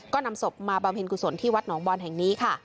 ก็นำศพมาบำเพ็ญกุศลที่วัดหนองบอลแห่งนี้ค่ะ